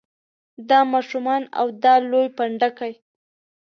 دا ماشومان او دا لوی پنډکی.